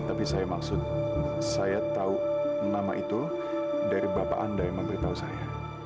tapi saya maksud saya tahu nama itu dari bapak anda yang memberitahu saya